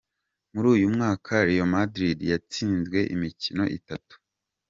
Muri uyu mwaka Real Madrid yatsinzwe imikino itanu.